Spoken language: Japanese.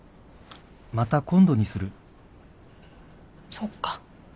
そっか。